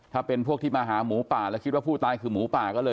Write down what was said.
ถ้าเป็นพวกที่มาหาหมูป่าแล้วคิดว่าผู้ตายคือหมูป่าก็เลย